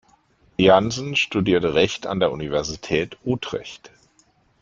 Jansen studierte Recht an der Universität Utrecht.